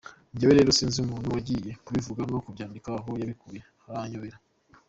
Njyewe rero sinzi umuntu wagiye kubivuga no kubyandika, aho yabikuye haranyobeye.